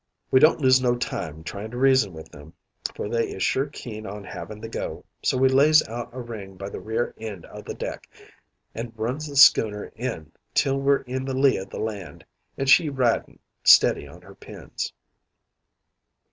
"We don't lose no time trying to reason with 'em, for they is sure keen on havin' the go. So we lays out a ring by the rear end o' the deck, an' runs the schooner in till we're in the lee o' the land, an' she ridin' steady on her pins.